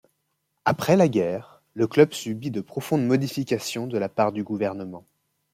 Après la guerre, le club subit de profondes modifications de la part du gouvernement.